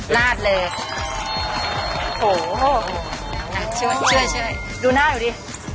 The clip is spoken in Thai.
ลาดเลยโหช่วยดูหน้าอยู่ดิ